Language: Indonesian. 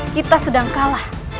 kita sedang kalah